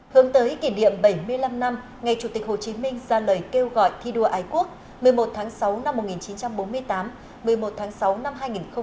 hướng tới kỷ niệm bảy mươi năm năm ngày chủ tịch hồ chí minh ra lời kêu gọi thi đua ái quốc một mươi một tháng sáu năm một nghìn chín trăm bốn mươi tám một mươi một tháng sáu năm hai nghìn một mươi chín